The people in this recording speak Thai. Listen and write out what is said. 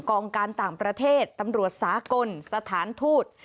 กองการต่างประเทศตำรวจสากลสถานทูต